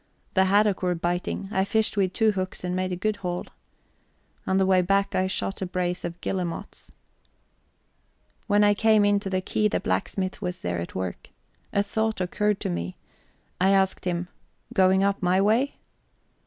The haddock were biting; I fished with two hooks and made a good haul. On the way back I shot a brace of guillemots. When I came in to the quay the blacksmith was there at work. A thought occurred to me; I asked him: "Going up my way?"